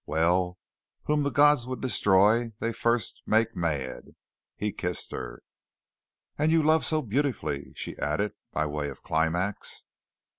"Well whom the gods would destroy they first make mad." He kissed her. "And you love so beautifully," she added by way of climax.